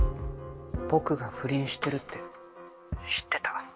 僕が不倫してるって知ってた。